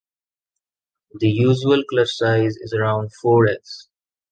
The usual clutch size is around four eggs.